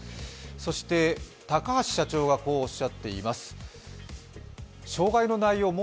そして、高橋社長がこうおっしゃっています。